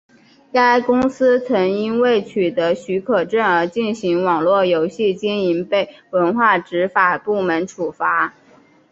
该公司曾因未取得许可证而进行网络游戏经营被文化执法部门处罚。